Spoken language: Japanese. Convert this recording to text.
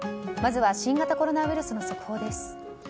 まずは新型コロナウイルスの速報です。